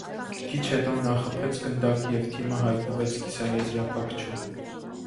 Քիչ հետո նա խփեց գնդակ և թիմը հայտնվեց կիսաեզրափակչում։